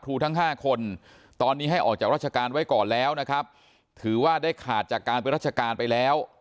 ทั้ง๕คนตอนนี้ให้ออกจากราชการไว้ก่อนแล้วนะครับถือว่าได้ขาดจากการเป็นราชการไปแล้ว